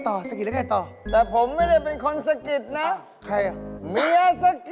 แต่นึกว่ามันมีน้ำยานะ